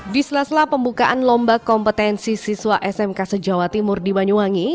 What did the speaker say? di selaslah pembukaan lomba kompetensi siswa smk sejawa timur di banyuwangi